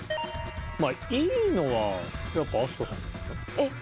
まあいいのはやっぱ飛鳥さんの。えっ？